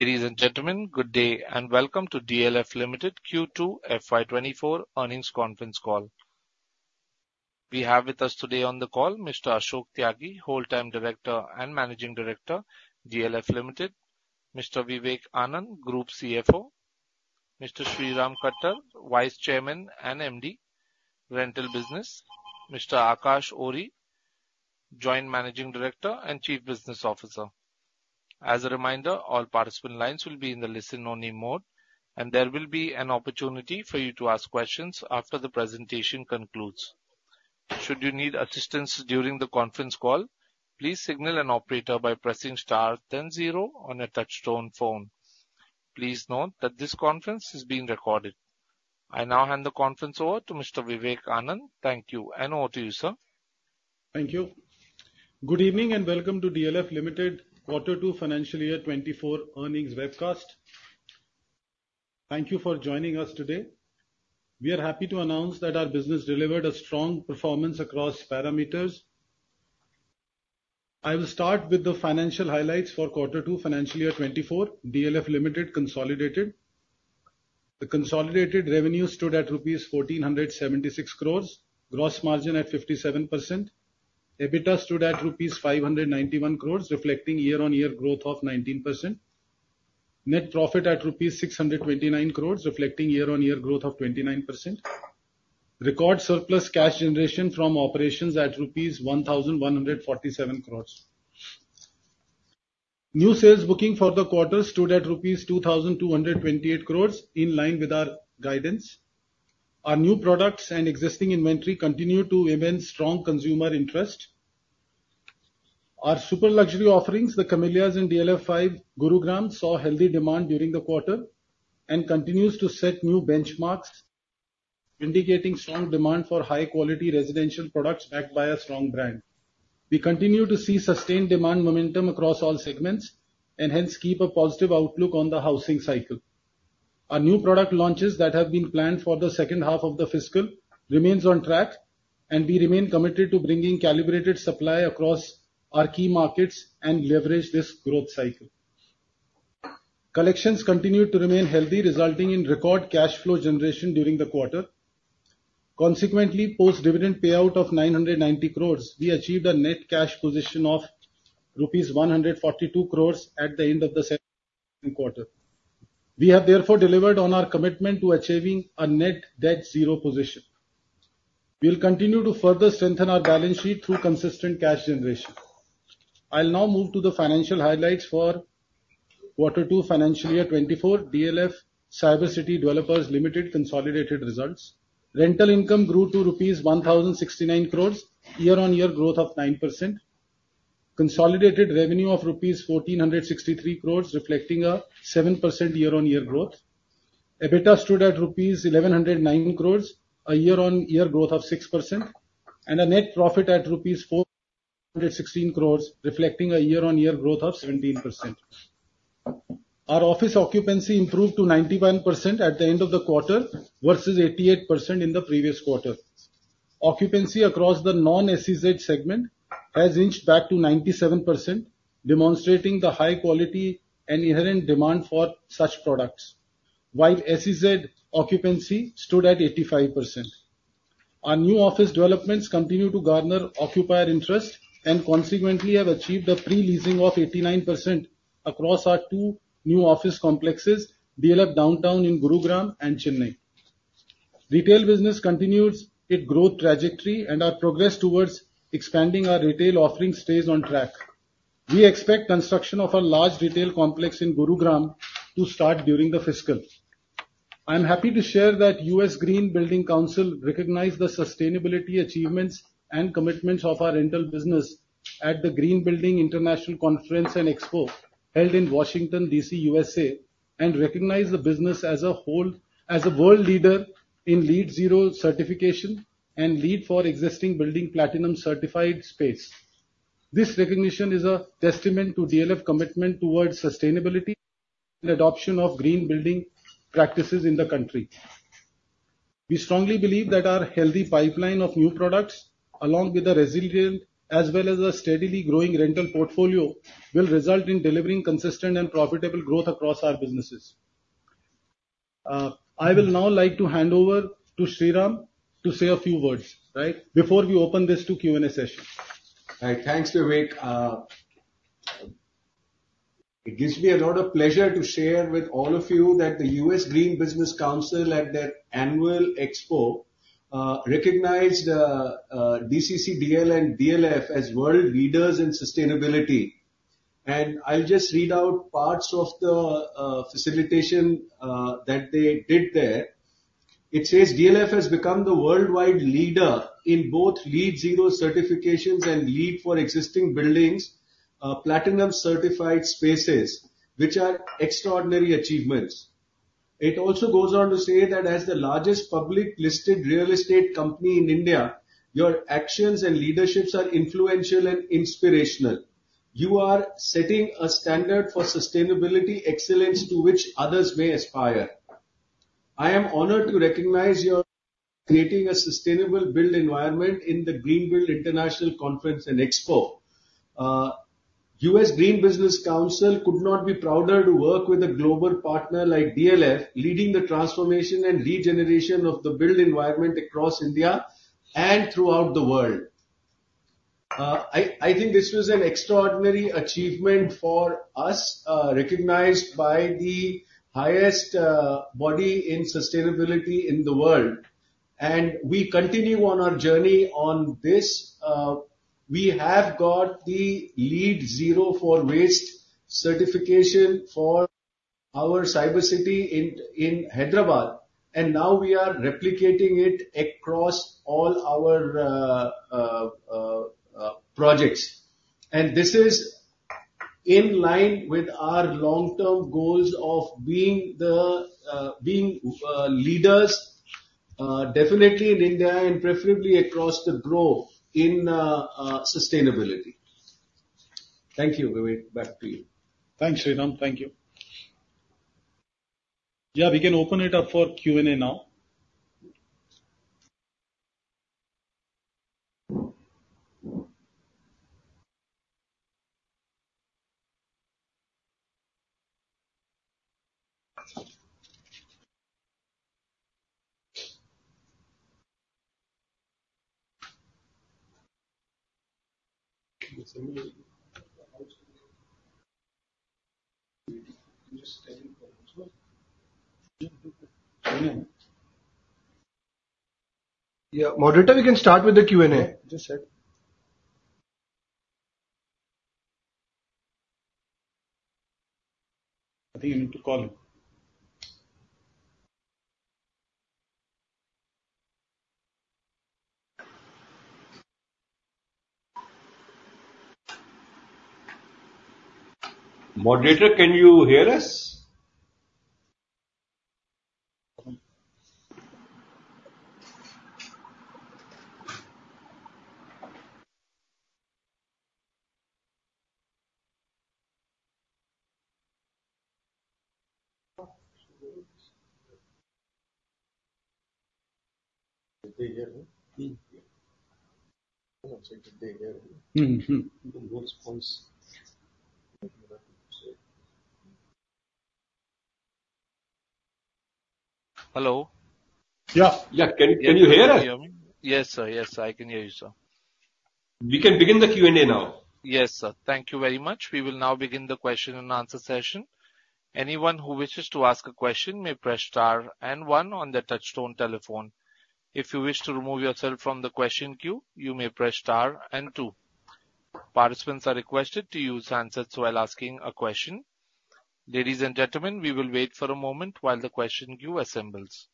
Ladies and gentlemen, good day, and welcome to DLF Limited Q2 FY 2024 Earnings Conference Call. We have with us today on the call Mr. Ashok Tyagi, Whole-time Director and Managing Director DLF Limited; Mr. Vivek Anand, Group CFO; Mr. Sriram Khattar, Vice Chairman and MD, Rental Business; Mr. Aakash Ohri, Joint Managing Director and Chief Business Officer. As a reminder, all participant lines will be in the listen-only mode, and there will be an opportunity for you to ask questions after the presentation concludes. Should you need assistance during the conference call, please signal an operator by pressing star ten zero on a touchtone phone. Please note that this conference is being recorded. I now hand the conference over to Mr. Vivek Anand. Thank you, and over to you, sir. Thank you. Good evening, and welcome to DLF Limited Q2 Financial Year 2024 earnings webcast. Thank you for joining us today. We are happy to announce that our business delivered a strong performance across parameters. I will start with the financial highlights for Q2, Financial Year 2024, DLF Limited consolidated. The consolidated revenue stood at rupees 1,476 crores, gross margin at 57%. EBITDA stood at rupees 591 crores, reflecting year-on-year growth of 19%. Net profit at rupees 629 crores, reflecting year-on-year growth of 29%. Record surplus cash generation from operations at rupees 1,147 crores. New sales booking for the quarter stood at rupees 2,228 crores, in line with our guidance. Our new products and existing inventory continue to remain strong consumer interest. Our Super Luxury offerings, the Camellias and DLF 5, Gurugram, saw healthy demand during the quarter and continues to set new benchmarks, indicating strong demand for high-quality residential products backed by a strong brand. We continue to see sustained demand momentum across all segments and hence keep a positive outlook on the housing cycle. Our new product launches that have been planned for the second half of the fiscal remains on track, and we remain committed to bringing calibrated supply across our key markets and leverage this growth cycle. Collections continue to remain healthy, resulting in record cash flow generation during the quarter. Consequently, post-dividend payout of 990 crore, we achieved a net cash position of rupees 142 crore at the end of the second quarter. We have therefore delivered on our commitment to achieving a net debt zero position. We will continue to further strengthen our balance sheet through consistent cash generation. I'll now move to the financial highlights for Q2 Financial Year 2024, DLF Cyber City Developers Limited consolidated results. Rental income grew to rupees 1,069 crores, year-on-year growth of 9%. Consolidated revenue of rupees 1,463 crores, reflecting a 7% year-on-year growth. EBITDA stood at rupees 1,109 crores, a year-on-year growth of 6%, and a net profit at rupees 416 crores, reflecting a year-on-year growth of 17%. Our office occupancy improved to 91% at the end of the quarter versus 88% in the previous quarter. Occupancy across the non-SEZ segment has inched back to 97%, demonstrating the high quality and inherent demand for such products, while SEZ occupancy stood at 85%. Our new office developments continue to garner occupier interest and consequently have achieved a pre-leasing of 89% across our two new office complexes, DLF Downtown in Gurugram and Chennai. Retail business continues its growth trajectory, and our progress towards expanding our retail offering stays on track. We expect construction of a large retail complex in Gurugram to start during the fiscal. I'm happy to share that U.S. Green Building Council recognized the sustainability achievements and commitments of our rental business at the Green Building International Conference and Expo, held in Washington, D.C., USA, and recognized the business as a whole as a world leader in LEED Zero certification and LEED for Existing Building Platinum Certified Space. This recognition is a testament to DLF commitment towards sustainability and adoption of green building practices in the country. We strongly believe that our healthy pipeline of new products, along with a resilient as well as a steadily growing rental portfolio, will result in delivering consistent and profitable growth across our businesses. I will now like to hand over to Sriram to say a few words, right, before we open this to Q&A session. All right. Thanks, Vivek. It gives me a lot of pleasure to share with all of you that the U.S. Green Building Council, at their annual expo, recognized DCCDL and DLF as world leaders in sustainability. I'll just read out parts of the facilitation that they did there. It says: DLF has become the worldwide leader in both LEED Zero certifications and LEED for Existing Buildings Platinum Certified Spaces, which are extraordinary achievements. It also goes on to say that as the largest publicly listed real estate company in India, your actions and leadership are influential and inspirational. You are setting a standard for sustainability excellence to which others may aspire. I am honored to recognize you for creating a sustainable built environment in the Green Build International Conference and Expo. U.S. Green Building Council could not be prouder to work with a global partner like DLF, leading the transformation and regeneration of the built environment across India and throughout the world. I think this was an extraordinary achievement for us, recognized by the highest body in sustainability in the world, and we continue on our journey on this. We have got the LEED Zero for Waste certification for our Cyber City in Hyderabad, and now we are replicating it across all our projects. This is in line with our long-term goals of being the leaders, definitely in India and preferably across the globe in sustainability. Thank you, Vivek. Back to you. Thanks, Sriram. Thank you. Yeah, we can open it up for Q&A now. Yeah, moderator, we can start with the Q&A. Just said. I think you need to call him. Moderator, can you hear us? Hello? Yeah. Yeah. Can, can you hear us? Yes, sir. Yes, I can hear you, sir. We can begin the Q&A now. Yes, sir. Thank you very much. We will now begin the question and answer session. Anyone who wishes to ask a question may press star and one on their touchtone telephone. If you wish to remove yourself from the question queue, you may press star and two. Participants are requested to use handsets while asking a question. Ladies and gentlemen, we will wait for a moment while the question queue assembles.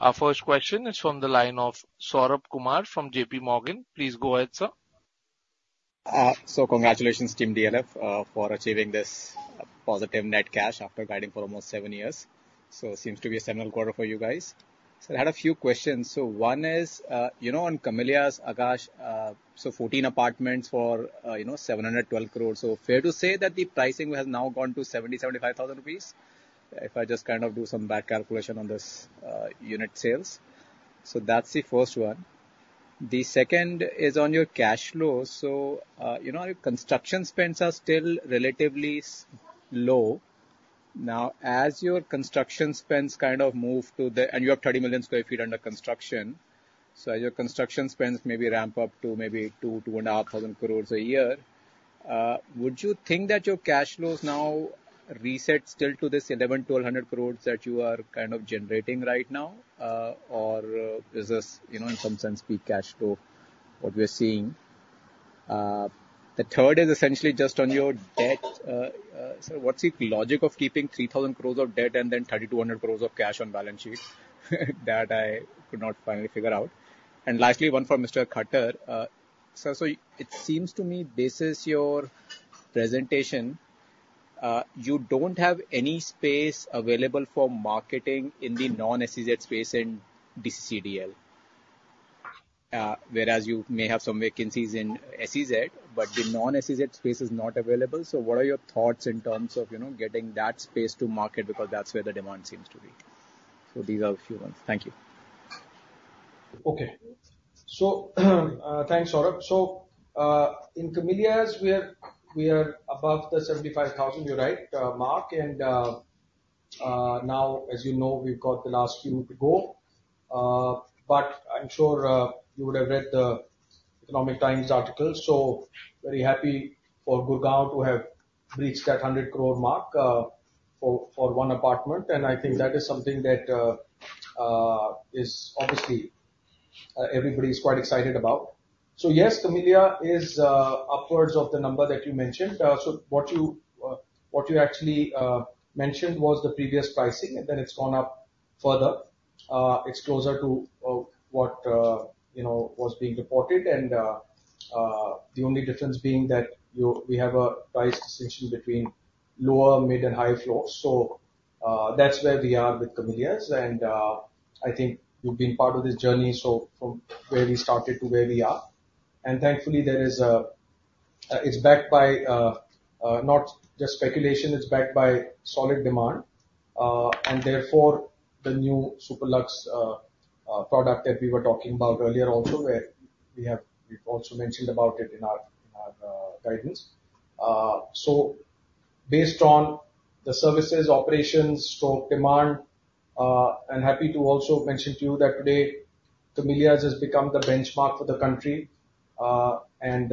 Our first question is from the line of Saurabh Kumar from JPMorgan. Please go ahead, sir. So congratulations, team DLF, for achieving this positive net cash after guiding for almost seven years. It seems to be a seminal quarter for you guys. I had a few questions. One is, you know, on Camellias, Akash, so 14 apartments for, you know, 712 crore. Fair to say that the pricing has now gone to 70,000-75,000 rupees? If I just kind of do some back calculation on this, unit sales. That's the first one. The second is on your cash flows. You know, your construction spends are still relatively low. Now, as your construction spends kind of move to the, you have 30 million sq ft under construction, so as your construction spends maybe ramp up to maybe 2,000-2,500 crore a year, would you think that your cash flows now reset still to this 1,100-1,200 crore that you are kind of generating right now? Or, is this, you know, in some sense, peak cash flow, what we are seeing? The third is essentially just on your debt. So what's the logic of keeping 3,000 crore of debt and then 3,200 crore of cash on balance sheet? That I could not finally figure out. And lastly, one for Mr. Khattar. Sir, so it seems to me, basis your presentation, you don't have any space available for marketing in the non-SEZ space in DCCDL. Whereas you may have some vacancies in SEZ, but the non-SEZ space is not available. So what are your thoughts in terms of, you know, getting that space to market? Because that's where the demand seems to be. So these are a few ones. Thank you. Okay. So, thanks, Saurabh. So, in Camellias, we are above the 75,000, you're right, mark. And, now, as you know, we've got the last few to go. But I'm sure, you would have read the Economic Times article, so very happy for Gurgaon to have reached that 100 crore mark, for one apartment. And I think that is something that is obviously everybody is quite excited about. So yes, Camellias is upwards of the number that you mentioned. So what you actually mentioned was the previous pricing, and then it's gone up further. It's closer to what you know was being reported, and the only difference being that we have a price distinction between lower, mid, and high floors. So, that's where we are with Camellias, and, I think you've been part of this journey, so from where we started to where we are. And thankfully, it's backed by, not just speculation, it's backed by solid demand. And therefore, the new Superlux product that we were talking about earlier also, where we've also mentioned about it in our guidance. So based on the services, operations, so demand, I'm happy to also mention to you that today Camellias has become the benchmark for the country, and,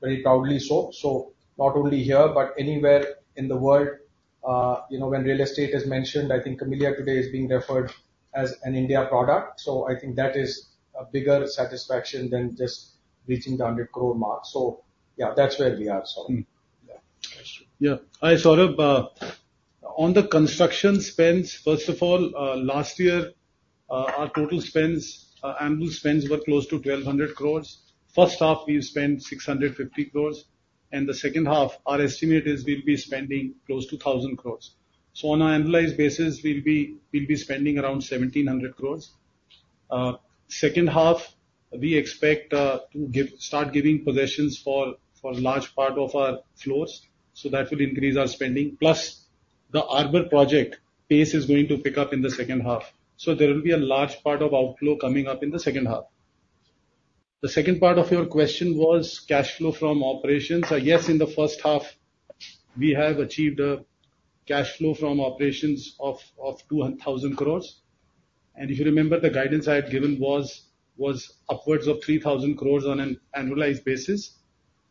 very proudly so. So not only here, but anywhere in the world, you know, when real estate is mentioned, I think Camellias today is being referred as an India product. I think that is a bigger satisfaction than just reaching the 100 crore mark. So yeah, that's where we are. Yeah. Saurabh, on the construction spends, first of all, last year, our total spends, annual spends were close to 1,200 crores. First half, we've spent 650 crores, and the second half, our estimate is we'll be spending close to 1,000 crores. So on an annualized basis, we'll be, we'll be spending around 1,700 crores. Second half, we expect to start giving possessions for a large part of our floors, so that will increase our spending. Plus, the Arbuor project pace is going to pick up in the second half, so there will be a large part of outflow coming up in the second half. The second part of your question was cash flow from operations. Yes, in the first half, we have achieved a cash flow from operations of 200,000 crores. If you remember, the guidance I had given was upwards of 3,000 crore on an annualized basis.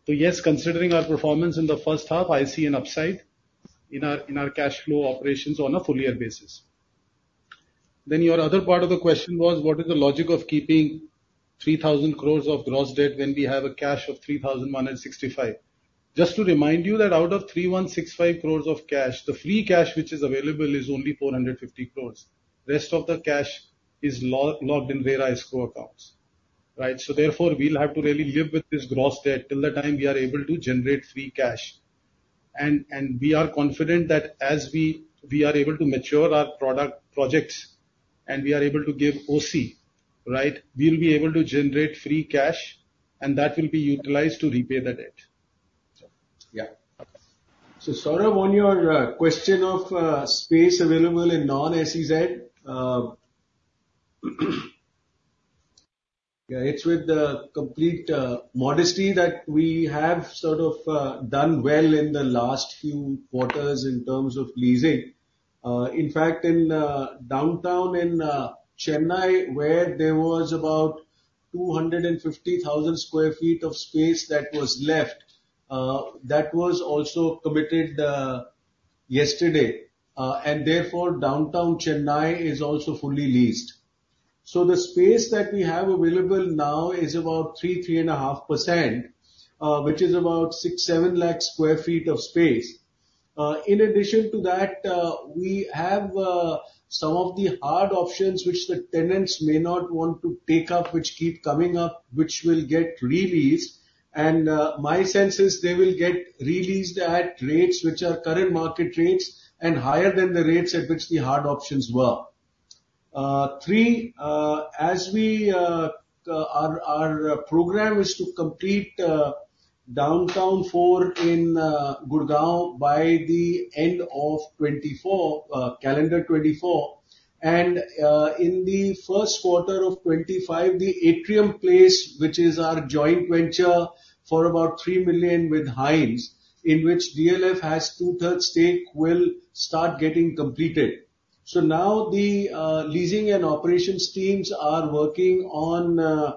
So yes, considering our performance in the first half, I see an upside in our cash flow operations on a full year basis. Then your other part of the question was: What is the logic of keeping 3,000 crore of gross debt when we have cash of 3,165 crore? Just to remind you that out of 3,165 crore of cash, the free cash which is available is only 450 crore. Rest of the cash is locked in various escrow accounts, right? So therefore, we'll have to really live with this gross debt till the time we are able to generate free cash. We are confident that as we are able to mature our product projects, and we are able to give OC, right, we'll be able to generate free cash, and that will be utilized to repay the debt. So yeah. So, Saurabh, on your question of space available in non-SEZ, yeah, it's with the complete modesty that we have sort of done well in the last few quarters in terms of leasing. In fact, in Downtown in Chennai, where there was about 250,000 sq ft of space that was left, that was also committed yesterday. And therefore, Downtown Chennai is also fully leased. So the space that we have available now is about 3-3.5%, which is about 6-7 lakh sq ft of space. In addition to that, we have some of the hard options which the tenants may not want to take up, which keep coming up, which will get re-leased. My sense is they will get re-leased at rates which are current market rates and higher than the rates at which the hard options were. Three, as our program is to complete Downtown 4 in Gurgaon by the end of 2024, calendar 2024. In the first quarter of 2025, the Atrium Place, which is our joint venture for about 3 million with Hines, in which DLF has two-thirds stake, will start getting completed. Now the leasing and operations teams are working on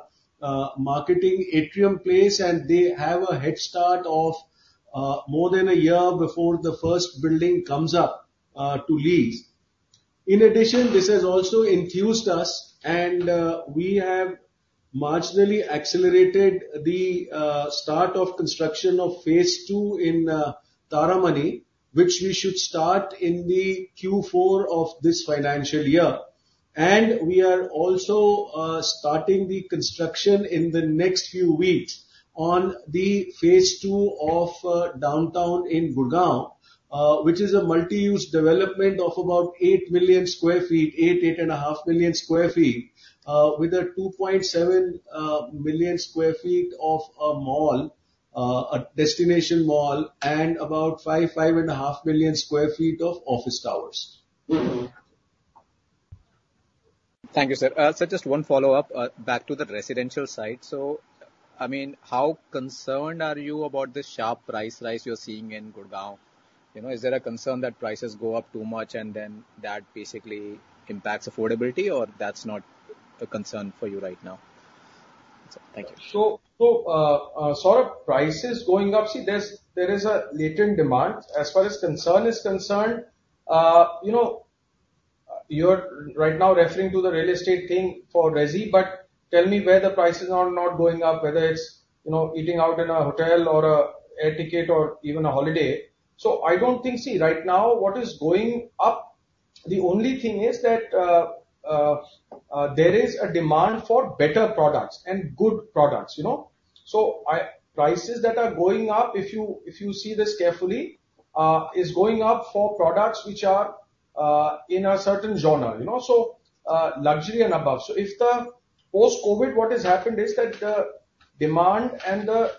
marketing Atrium Place, and they have a head start of more than a year before the first building comes up to lease. In addition, this has also enthused us, and we have marginally accelerated the start of construction of phase II in Taramani, which we should start in the Q4 of this financial year. We are also starting the construction in the next few weeks on the phase II of Downtown in Gurugram, which is a multi-use development of about 8 million sq ft, 8-8.5 million sq ft, with a 2.7 million sq ft of a mall, a destination mall, and about 5-5.5 million sq ft of office towers. Thank you, sir. Sir, just one follow-up, back to the residential side. So, I mean, how concerned are you about the sharp price rise you're seeing in Gurgaon? You know, is there a concern that prices go up too much, and then that basically impacts affordability, or that's not a concern for you right now? Thank you. Sort of prices going up, see, there is a latent demand. As far as concern is concerned, you know, you're right now referring to the real estate thing for resi, but tell me where the prices are not going up, whether it's, you know, eating out in a hotel or an air ticket or even a holiday. So I don't think, see, right now, what is going up, the only thing is that there is a demand for better products and good products, you know? So prices that are going up, if you see this carefully, is going up for products which are in a certain genre, you know, so luxury and above. So if the- Post-COVID, what has happened is that the demand and the,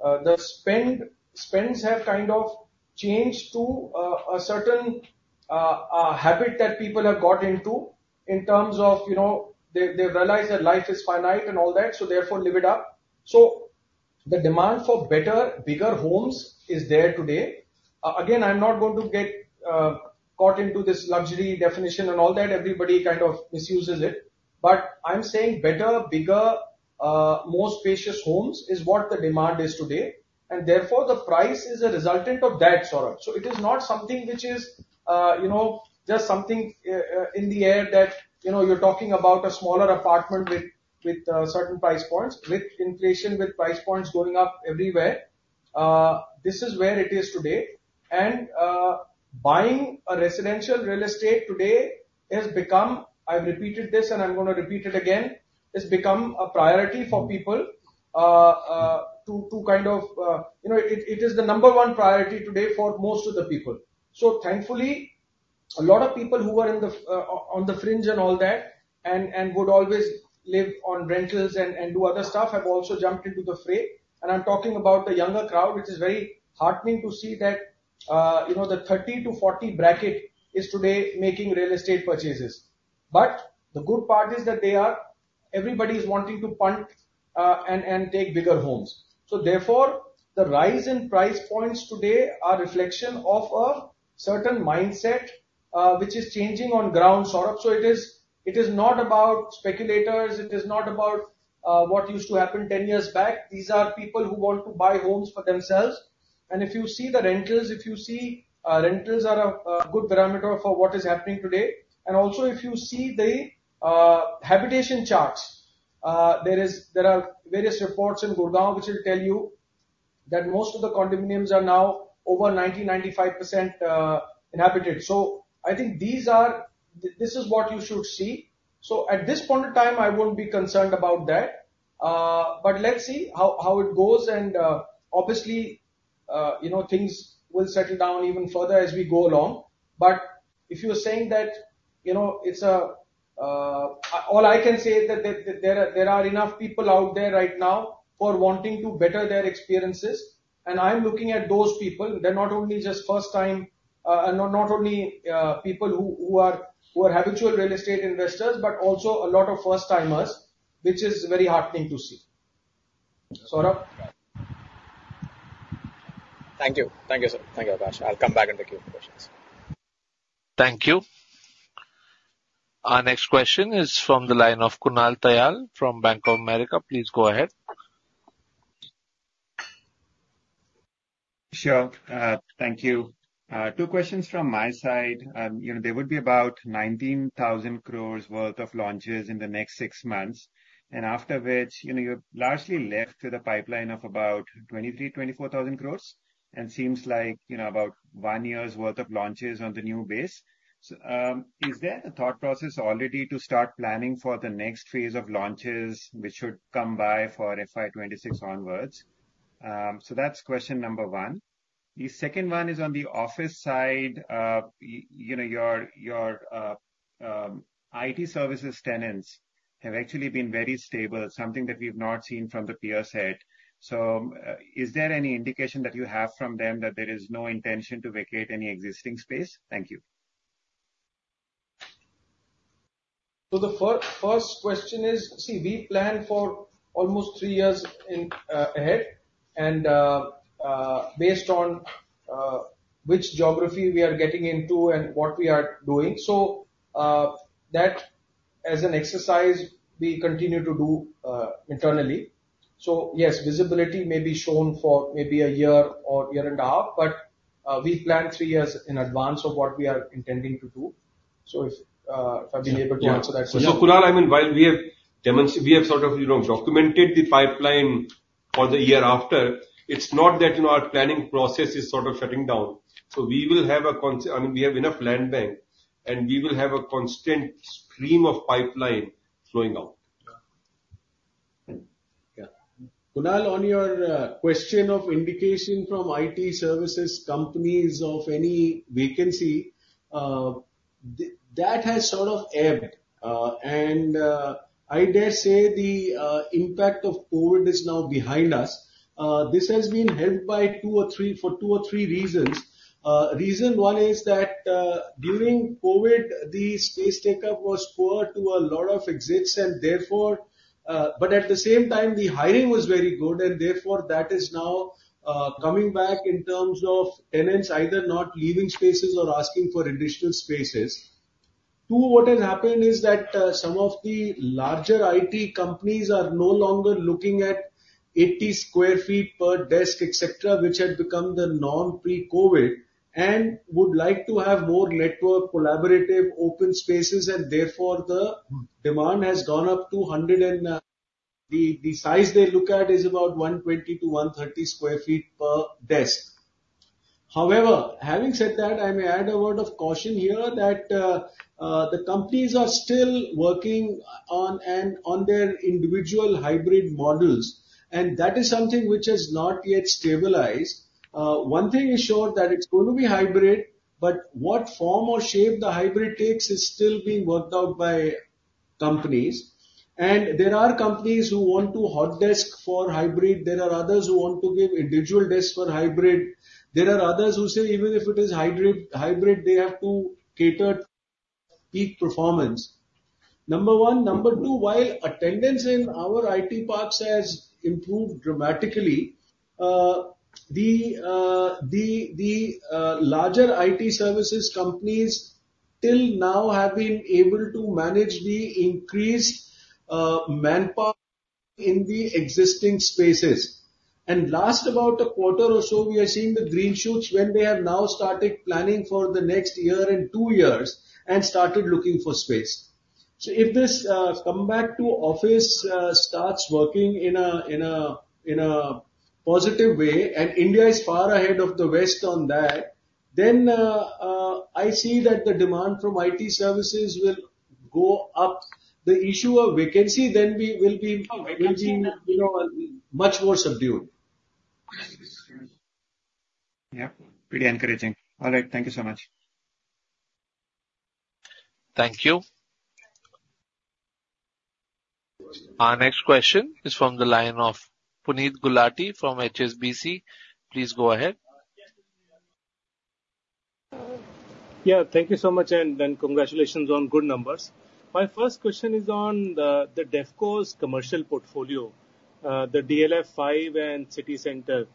the spend, spends have kind of changed to, a certain, habit that people have got into in terms of, you know, they, they've realized that life is finite and all that, so therefore live it up. So the demand for better, bigger homes is there today. Again, I'm not going to get, caught into this luxury definition and all that, everybody kind of misuses it, but I'm saying better, bigger, more spacious homes is what the demand is today, and therefore, the price is a resultant of that, Saurabh. So it is not something which is, you know, just something, in the air that, you know, you're talking about a smaller apartment with certain price points. With inflation, with price points going up everywhere, this is where it is today. And, buying a residential real estate today has become, I've repeated this, and I'm gonna repeat it again, it's become a priority for people, to kind o, you know, it is the number one priority today for most of the people. So thankfully, a lot of people who were in the, on the fringe and all that, and would always live on rentals and do other stuff, have also jumped into the fray. And I'm talking about the younger crowd, which is very heartening to see that, you know, the 30-40 bracket is today making real estate purchases. But the good part is that they are, everybody is wanting to punt, and take bigger homes. So therefore, the rise in price points today are reflection of a certain mindset, which is changing on ground, Saurabh. So it is, it is not about speculators, it is not about what used to happen 10 years back. These are people who want to buy homes for themselves. And if you see the rentals, if you see, rentals are a, a good parameter for what is happening today. And also, if you see the habitation charts, there is, there are various reports in Gurgaon which will tell you that most of the condominiums are now over 90-95% inhabited. So I think these are. This is what you should see. So at this point in time, I won't be concerned about that. But let's see how it goes, and obviously, you know, things will settle down even further as we go along. But if you are saying that, you know, it's all I can say is that there are enough people out there right now for wanting to better their experiences, and I'm looking at those people. They're not only just first time, and not only people who are habitual real estate investors, but also a lot of first-timers, which is very heartening to see. Saurabh? Thank you. Thank you, sir. Thank you, Aakash. I'll come back in the queue with questions. Thank you. Our next question is from the line of Kunal Tayal from Bank of America. Please go ahead. Sure. Thank you. Two questions from my side. You know, there would be about 19,000 crore worth of launches in the next six months, and after which, you know, you're largely left to the pipeline of about 23,000-24,000 crore, and seems like, you know, about one year's worth of launches on the new base. So, is there a thought process already to start planning for the next phase of launches, which should come by for FY 2026 onwards? So that's question number one. The second one is on the office side. You know, your IT services tenants have actually been very stable, something that we've not seen from the peer set. So, is there any indication that you have from them that there is no intention to vacate any existing space? Thank you. So the first question is, see, we plan for almost three years ahead, and based on which geography we are getting into and what we are doing. So that, as an exercise, we continue to do internally. So yes, visibility may be shown for maybe a year or year and a half, but we plan three years in advance of what we are intending to do. So if I've been able to answer that question. So, Kunal, I mean, while we have. We have sort of, you know, documented the pipeline for the year after, it's not that, you know, our planning process is sort of shutting down. So we will have. I mean, we have enough land bank, and we will have a constant stream of pipeline flowing out. Yeah. Kunal, on your question of indication from IT services companies of any vacancy, that has sort of ebbed. I dare say the impact of COVID is now behind us. This has been helped by two or three, for two or three reasons. Reason one is that, during COVID, the space take-up was poor to a lot of exits, and therefore, but at the same time, the hiring was very good, and therefore, that is now coming back in terms of tenants either not leaving spaces or asking for additional spaces. Two, what has happened is that some of the larger IT companies are no longer looking at 80 sq ft per desk, ect., which had become the norm pre-COVID, and would like to have more network, collaborative, open spaces, and therefore, the demand has gone up to 100 and the size they look at is about 120-130 sq ft per desk. However, having said that, I may add a word of caution here that the companies are still working on and on their individual hybrid models, and that is something which has not yet stabilized. One thing is sure that it's going to be hybrid, but what form or shape the hybrid takes is still being worked out by companies, and there are companies who want to hot desk for hybrid. There are others who want to give individual desks for hybrid. There are others who say even if it is hybrid, hybrid, they have to cater peak performance. Number one. Number two, while attendance in our IT parks has improved dramatically, the larger IT services companies till now have been able to manage the increased manpower in the existing spaces. And last about a quarter or so, we are seeing the green shoots when they have now started planning for the next year and two years and started looking for space. So if this come back to office starts working in a positive way, and India is far ahead of the West on that, then I see that the demand from IT services will go up. The issue of vacancy then we will be managing, you know, much more subdued. Yeah, pretty encouraging. All right, thank you so much. Thank you. Our next question is from the line of Puneet Gulati from HSBC. Please go ahead. Yeah, thank you so much, and congratulations on good numbers. My first question is on the DevCo's commercial portfolio, the DLF 5 and City Centre.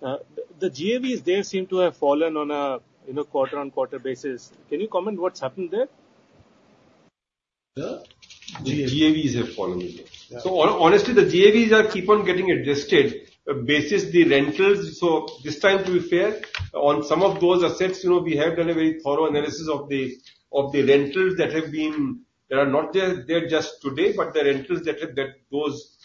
The GAVs there seem to have fallen on a quarter-on-quarter basis. Can you comment what's happened there? The? The GAVs have fallen. So honestly, the GAVs are keep on getting adjusted basis the rentals. So this time, to be fair, on some of those assets, you know, we have done a very thorough analysis of the rentals that have been, they are not there, there just today, but the rentals that have, that those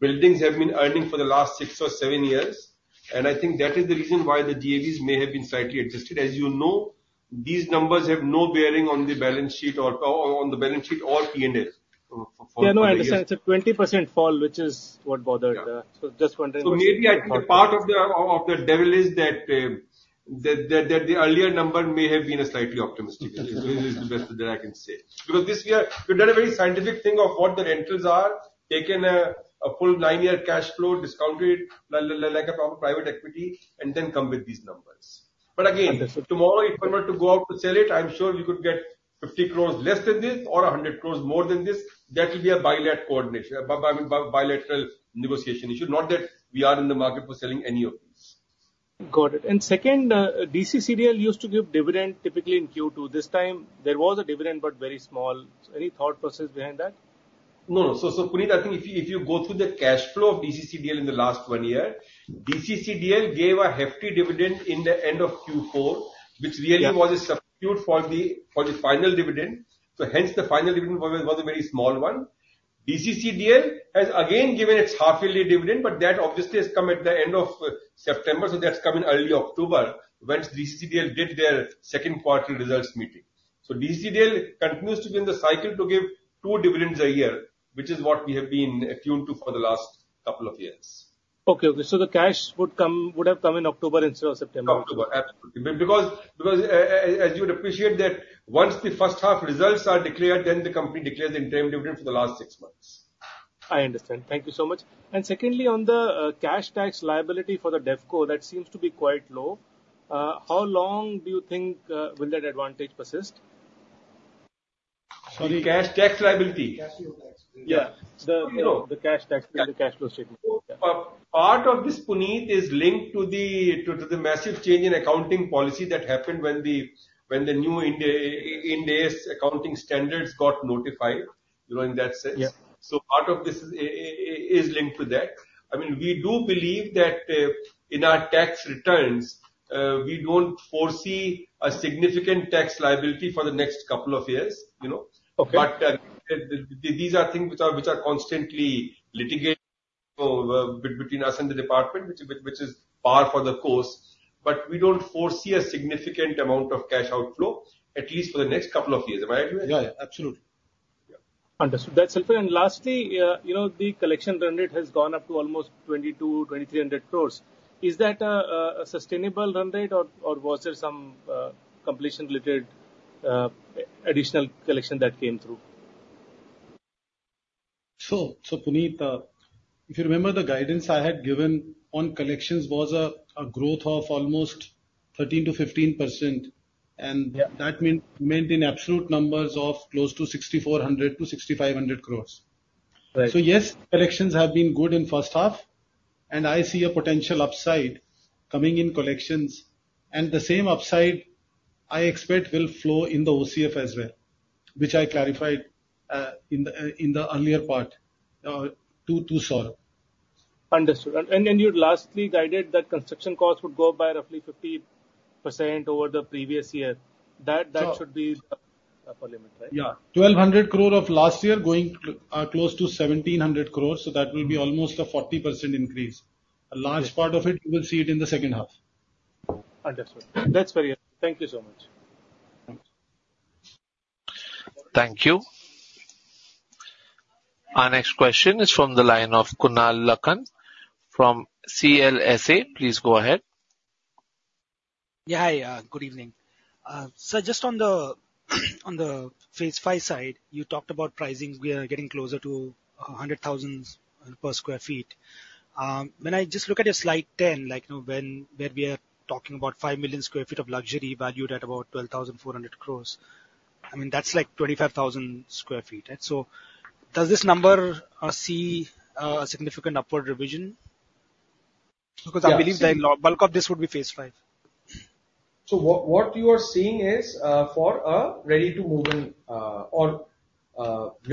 buildings have been earning for the last six or seven years, and I think that is the reason why the GAVs may have been slightly adjusted. As you know, these numbers have no bearing on the balance sheet or on the balance sheet or P&L for... Yeah, no, I understand. It's a 20% fall, which is what bothered. Yeah.Just wondering- So maybe I think a part of the devil is that the earlier number may have been a slightly optimistic. That's the best that I can say. Because this year, we've done a very scientific thing of what the rentals are, taken a full nine year cash flow, discounted it, like a private equity, and then come with these numbers. But again, tomorrow, if I were to go out to sell it, I'm sure we could get 50 crore less than this or 100 crore more than this. That will be a bilateral coordination, I mean, bilateral negotiation issue, not that we are in the market for selling any of these. Got it. And second, DCCDL used to give dividend typically in Q2. This time, there was a dividend, but very small. So any thought process behind that? No. So, Puneet, I think if you go through the cash flow of DCCDL in the last one year, DCCDL gave a hefty dividend in the end of Q4.Yeah.- which really was a substitute for the, for the final dividend, so hence the final dividend was a very small one. DCCDL has again given its half-yearly dividend, but that obviously has come at the end of September, so that's come in early October, once DCCDL did their second quarterly results meeting. So DCCDL continues to be in the cycle to give two dividends a year, which is what we have been attuned to for the last couple of years. Okay. So the cash would come, would have come in October instead of September. October, absolutely. Because as you'd appreciate that once the first half results are declared, then the company declares the interim dividend for the last six months. I understand. Thank you so much. And secondly, on the cash tax liability for the DevCo, that seems to be quite low. How long do you think will that advantage persist? Sorry, cash tax liability? Cash flow tax. You know, the cash tax, the cash flow statement. Part of this, Puneet, is linked to the massive change in accounting policy that happened when the new Ind AS accounting standards got notified, you know, in that sense. Part of this is linked to that. I mean, we do believe that, in our tax returns, we don't foresee a significant tax liability for the next couple of years, you know? Okay. But, these are things which are constantly litigated between us and the department, which is par for the course. But we don't foresee a significant amount of cash outflow, at least for the next couple of years. Am I right? Yeah, absolutely. Understood. That's it. And lastly, you know, the collection run rate has gone up to almost 2,200-2,300 crore. Is that a sustainable run rate or was there some completion-related additional collection that came through? So, Puneet, if you remember, the guidance I had given on collections was a growth of almost 13%-15%. Yeah. That means maintained absolute numbers of close to 6,400 crore-6,500 crore. So yes, collections have been good in first half, and I see a potential upside coming in collections, and the same upside, I expect will flow in the OCF as well, which I clarified in the earlier part to Saurabh. Understood. And you lastly guided that construction cost would go up by roughly 50% over the previous year. That should be approximate, right? Yeah. 1,200 crore of last year going close to 1,700 crores, so that will be almost a 40% increase. A large part of it, you will see it in the second half. Understood. That's very helpful. Thank you so much. Thank you. Our next question is from the line of Kunal Lakhan from CLSA. Please go ahead. Yeah, hi, good evening. So just on the phase V side, you talked about pricing. We are getting closer to 100,000 per sq ft. When I just look at your slide ten, like, you know, when we are talking about 5 million sq ft of luxury valued at about 12,400 crore. I mean, that's like 25,000 sq ft, right? So does this number see a significant upward revision? Because I believe the bulk of this would be phase V. So what, what you are seeing is, for a ready-to-move-in, or,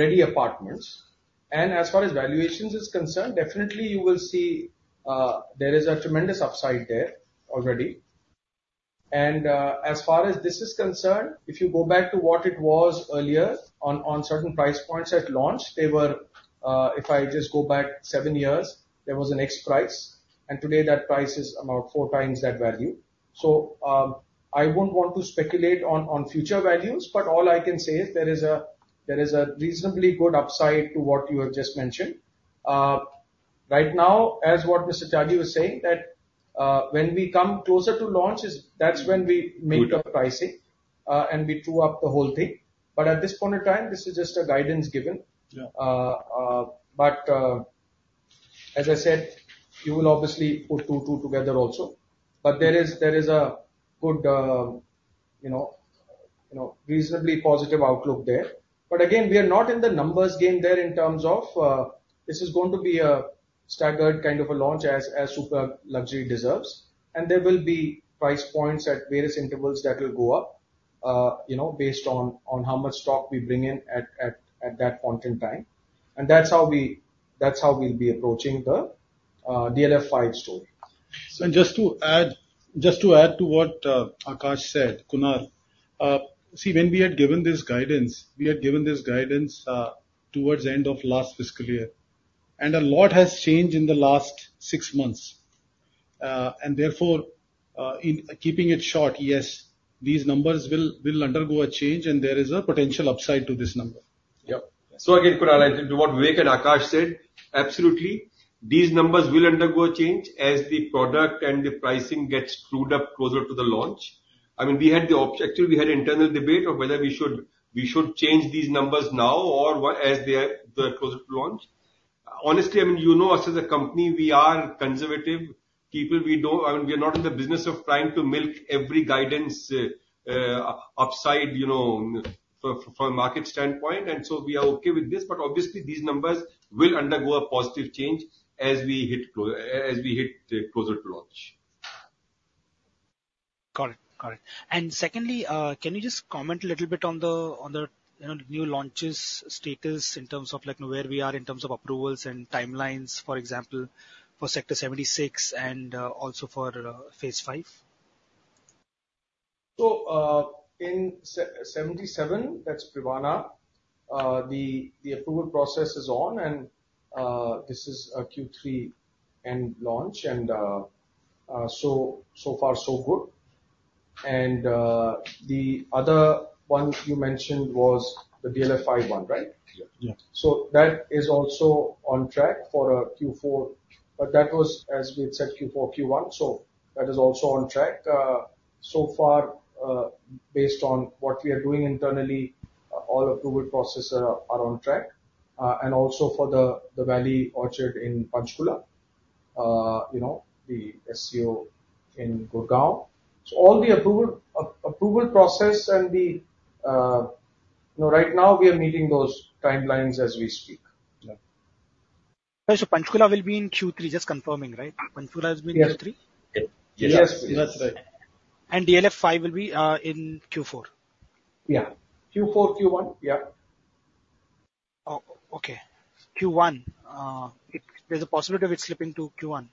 ready apartments. And as far as valuations is concerned, definitely you will see, there is a tremendous upside there already. And, as far as this is concerned, if you go back to what it was earlier on, on certain price points at launch, they were, if I just go back seven years, there was an X price, and today that price is about four times that value. So, I wouldn't want to speculate on, on future values, but all I can say is there is a, there is a reasonably good upside to what you have just mentioned. Right now, as what Mr. Tyagi was saying, that, when we come closer to launch is that's when we make the pricing, and we true up the whole thing. But at this point in time, this is just a guidance given. But as I said, you will obviously put two and two together also. But there is a good, you know, reasonably positive outlook there. But again, we are not in the numbers game there in terms of this is going to be a staggered kind of a launch as Super Luxury deserves, and there will be price points at various intervals that will go up, you know, based on how much stock we bring in at that point in time. And that's how we'll be approaching the DLF 5 story. And just to add to what Aakash said, Kunal. See, when we had given this guidance, we had given this guidance towards the end of last fiscal year, and a lot has changed in the last six months. And therefore, in keeping it short, yes, these numbers will undergo a change, and there is a potential upside to this number. Yeah. So again, Kunal, to what Vivek and Aakash said, absolutely, these numbers will undergo a change as the product and the pricing gets trued up closer to the launch. I mean, we had the objective, we had internal debate of whether we should change these numbers now or what as they are closer to launch. Honestly, I mean, you know us as a company, we are conservative people. We don't, we are not in the business of trying to milk every guidance, upside, you know, from a market standpoint, and so we are okay with this. But obviously, these numbers will undergo a positive change as we hit closer to launch. Got it. And secondly, can you just comment a little bit on the, you know, new launches status in terms of like where we are in terms of approvals and timelines, for example, for Sector 76 and also for phase V? In 77, that's Privana. The approval process is on, and so far, so good. The other one you mentioned was the DLF 5, right? That is also on track for a Q4. That was, as we had said, Q4, Q1, so that is also on track. So far, based on what we are doing internally, all approval processes are on track. And also for the Valley Orchard in Panchkula, you know, the SCO in Gurgaon. So all the approval process and, you know, right now we are meeting those timelines as we speak Panchkula will be in Q3, just confirming, right? Panchkula is in Q3. Yes. Yes, that's right. DLF 5 will be in Q4. Yeah. Q4, Q1. Yeah. Oh, okay. Q1. There's a possibility of it slipping to Q1?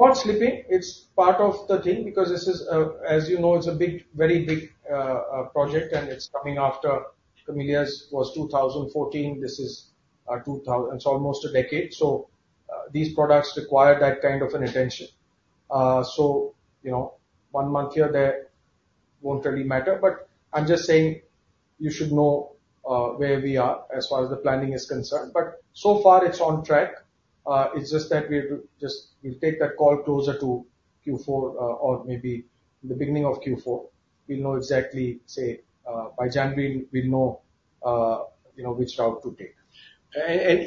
Not slipping. It's part of the thing, because this is, as you know, it's a big, very big, project, and it's coming after Camellias was 2014. This is, it's almost a decade. So, these products require that kind of an attention. So, you know, one month here, there, won't really matter. But I'm just saying you should know, where we are as far as the planning is concerned. But so far, it's on track. It's just that we have to just, we'll take that call closer to Q4, or maybe the beginning of Q4. We'll know exactly, say, by January, we'll know, you know, which route to take.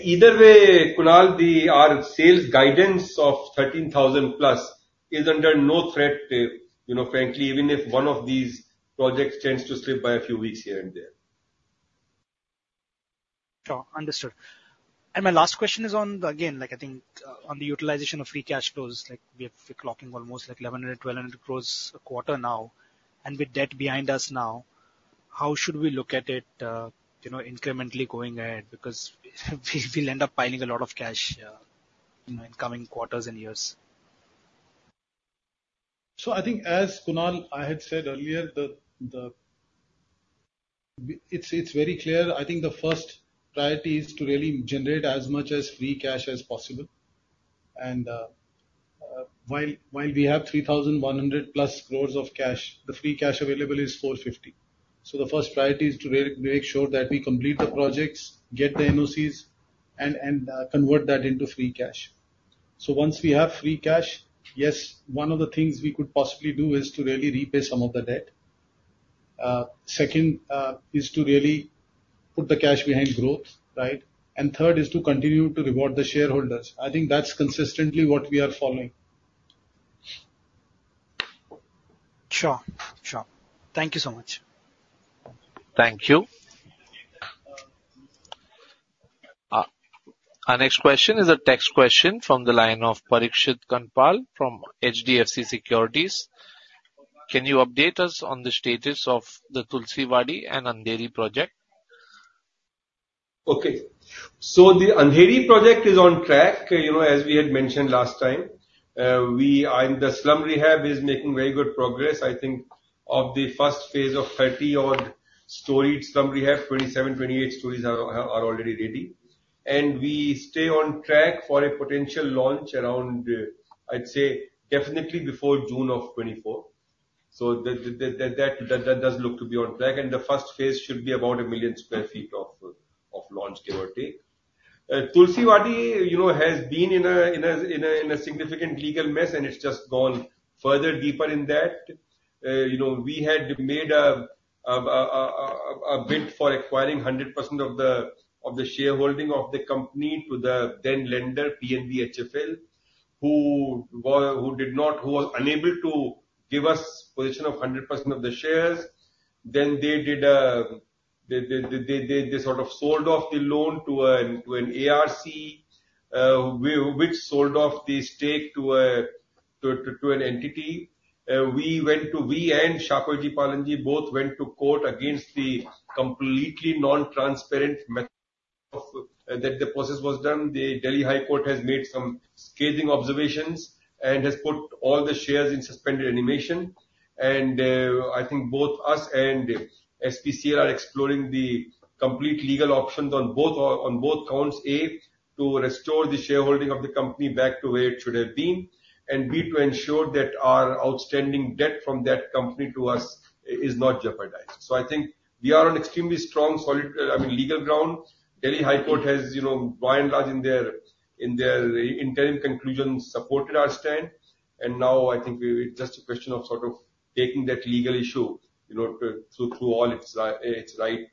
Either way, Kunal, our sales guidance of 13,000+ is under no threat there. You know, frankly, even if one of these projects tends to slip by a few weeks here and there. Sure, understood. And my last question is on, again, like, I think, on the utilization of free cash flows. Like, we are clocking almost like 1,100-1,200 crores a quarter now, and with debt behind us now, how should we look at it, you know, incrementally going ahead? Because we, we'll end up piling a lot of cash, you know, in coming quarters and years. So I think, as Kunal, I had said earlier. It's very clear. I think the first priority is to really generate as much free cash as possible. And while we have 3,100+ crore of cash, the free cash available is 450 crore. So the first priority is to make sure that we complete the projects, get the NOCs, and convert that into free cash. So once we have free cash, yes, one of the things we could possibly do is to really repay some of the debt. Second, is to really put the cash behind growth, right? And third is to continue to reward the shareholders. I think that's consistently what we are following. Sure. Sure. Thank you so much. Thank you. Our next question is a text question from the line of Parikshit Kanpal from HDFC Securities. Can you update us on the status of the Tulsiwadi and Andheri project? Okay. So the Andheri project is on track, you know, as we had mentioned last time. The slum rehab is making very good progress. I think of the first phase of 30-odd-storied slum rehab, 27, 28 stories are already ready. And we stay on track for a potential launch around, I'd say definitely before June of 2024. That does look to be on track, and the first phase should be about 1 million sq ft of launch, give or take. Tulsiwadi, you know, has been in a significant legal mess, and it's just gone further deeper in that. You know, we had made a bid for acquiring 100% of the shareholding of the company to the then lender, PNB HFL, who was unable to give us position of 100% of the shares. Then they sort of sold off the loan to an ARC, which sold off the stake to an entity. We and Shapoorji Pallonji both went to court against the completely non-transparent method of that the process was done. The Delhi High Court has made some scathing observations and has put all the shares in suspended animation. I think both us and SPCL are exploring the complete legal options on both, on both counts, A, to restore the shareholding of the company back to where it should have been, and, B, to ensure that our outstanding debt from that company to us is not jeopardized. So I think we are on extremely strong, solid, I mean, legal ground. Delhi High Court has, you know, by and large, in their, in their interim conclusions, supported our stand. And now I think we, it's just a question of sort of taking that legal issue, you know, through, through all its right,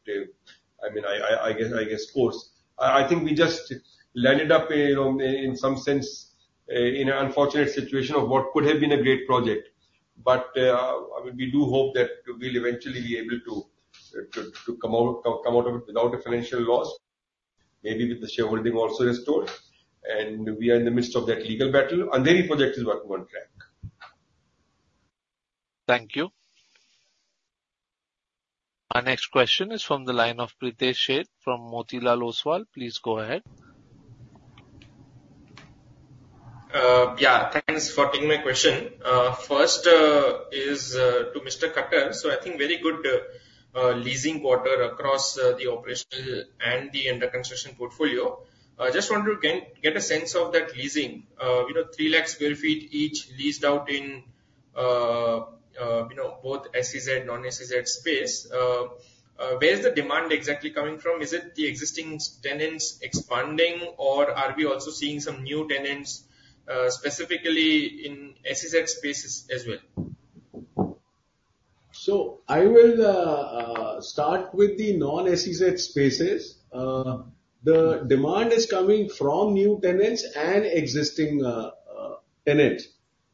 I mean, I guess, course. I think we just landed up, you know, in some sense, in an unfortunate situation of what could have been a great project. But, we do hope that we'll eventually be able to come out of it without a financial loss, maybe with the shareholding also restored. And we are in the midst of that legal battle. Andheri project is working on track. Thank you. Our next question is from the line of Pritesh Sheth from Motilal Oswal. Please go ahead. Yeah, thanks for taking my question. First, to Mr. Khattar. So I think very good leasing quarter across the operational and the under construction portfolio. I just wanted to get a sense of that leasing. You know, 3 lakh sq ft each leased out in, you know, both SEZ, non-SEZ space. Where is the demand exactly coming from? Is it the existing tenants expanding, or are we also seeing some new tenants, specifically in SEZ spaces as well? I will start with the non-SEZ spaces. The demand is coming from new tenants and existing tenants.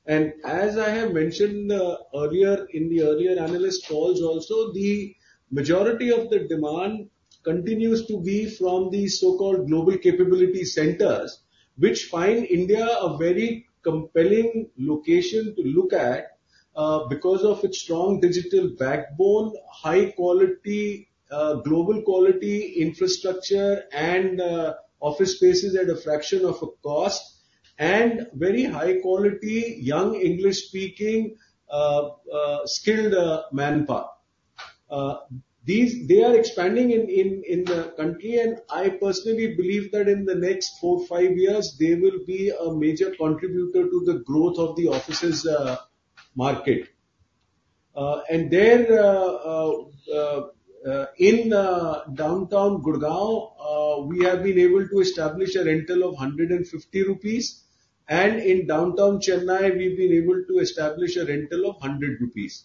As I have mentioned earlier in the earlier analyst calls also, the majority of the demand continues to be from the so-called global capability centers, which find India a very compelling location to look at because of its strong digital backbone, high quality global quality infrastructure and office spaces at a fraction of a cost, and very high quality, young, English-speaking skilled manpower. These, they are expanding in the country, and I personally believe that in the next 4-5 years, they will be a major contributor to the growth of the offices market. And then, in downtown Gurgaon, we have been able to establish a rental of 150 rupees, and in downtown Chennai, we've been able to establish a rental of 100 rupees.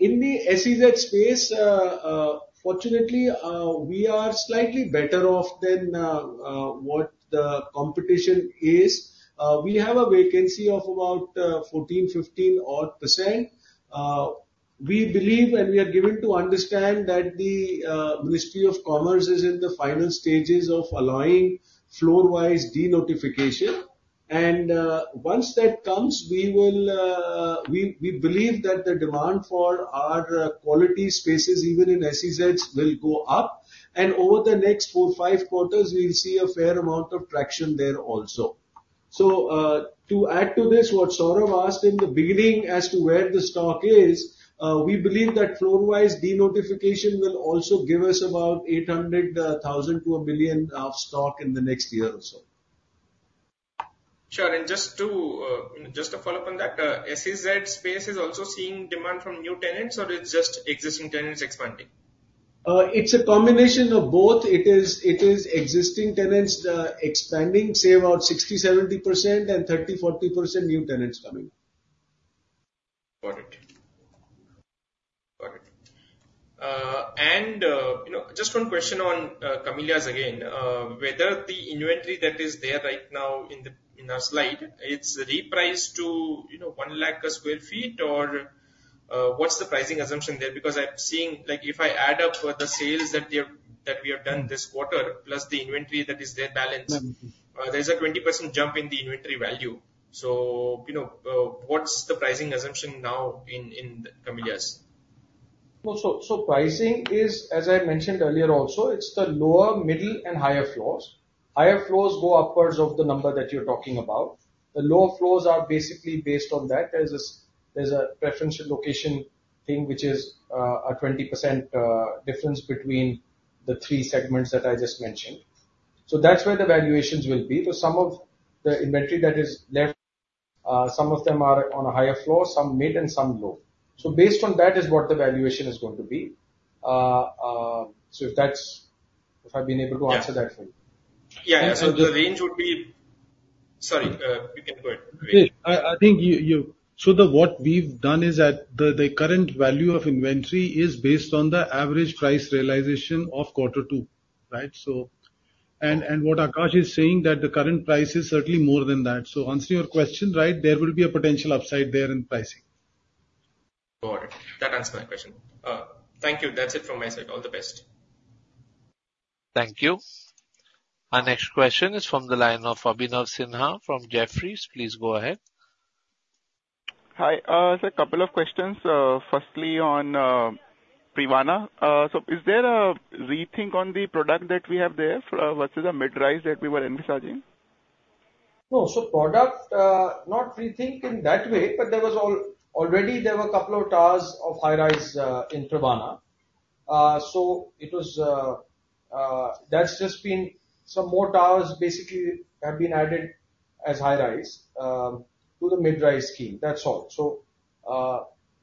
In the SEZ space, fortunately, we are slightly better off than what the competition is. We have a vacancy of about 14%-15% odd. We believe, and we are given to understand, that the Ministry of Commerce is in the final stages of allowing floor-wise denotification. And once that comes, we will, we believe that the demand for our quality spaces, even in SEZs, will go up. And over the next 4-5 quarters, we'll see a fair amount of traction there also. To add to this, what Saurav asked in the beginning as to where the stock is, we believe that floor-wise denotification will also give us about 800,000-1 billion of stock in the next year or so. Sure. And just to, just to follow up on that, SEZ space is also seeing demand from new tenants, or it's just existing tenants expanding? It's a combination of both. It is, it is existing tenants expanding, say, about 60%-70% and 30%-40% new tenants coming. Got it. Got it. You know, just one question on Camellias again. Whether the inventory that is there right now in the, in our slide, it's repriced to, you know, 1 lakh per sq ft, or what's the pricing assumption there? Because I'm seeing, like, if I add up what the sales that we have, that we have done this quarter, plus the inventory that is there balanced, there's a 20% jump in the inventory value. So, you know, what's the pricing assumption now in Camellias? Well, so pricing is, as I mentioned earlier also, it's the lower, middle and higher floors. Higher floors go upwards of the number that you're talking about. The lower floors are basically based on that. There's a preferential location thing which is, a 20%, difference between the three segments that I just mentioned. So that's where the valuations will be. So some of the inventory that is left, some of them are on a higher floor, some mid and some low. So based on that is what the valuation is going to be. So if I've been able to answer that for you. And so the... Yeah, the range would be. Sorry, you can go ahead. So what we've done is that the current value of inventory is based on the average price realization of quarter two, right? So, and what Aakash is saying, that the current price is certainly more than that. So answering your question, right, there will be a potential upside there in pricing. Got it. That answers my question. Thank you. That's it from my side. All the best. Thank you. Our next question is from the line of Abhinav Sinha, from Jefferies. Please go ahead. Hi. Sir, a couple of questions. Firstly on Privana. So is there a rethink on the product that we have there versus the mid-rise that we were envisaging? No. So product, not rethink in that way, but there was already there were a couple of towers of high-rise in Privana. So it was, that's just been some more towers basically have been added as high-rise to the mid-rise scheme. That's all. So,